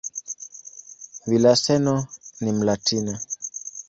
Villaseñor ni "Mlatina".